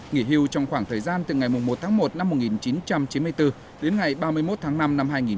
nghỉ hưu trong khoảng thời gian từ ngày một tháng một năm một nghìn chín trăm chín mươi bốn đến ngày ba mươi một tháng năm năm hai nghìn hai mươi bốn